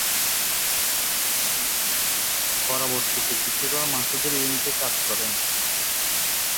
পরবর্তীতে কিছুকাল মাসুদের ইউনিটে কাজ করেন।